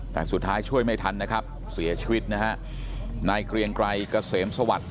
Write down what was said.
แต่สุดท้ายช่วยไม่ทันนะครับเสียชีวิตนะฮะนายเกรียงไกรเกษมสวัสดิ